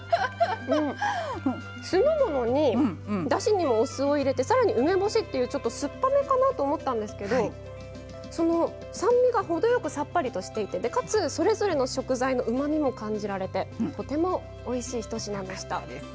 酢の物にだしに、お酢を入れてさらに梅干しってすっぱめかなと思ったんですけど酸味が程よくさっぱりとしていて、かつそれぞれの食材のうまみも感じられてとてもおいしいひと品でした。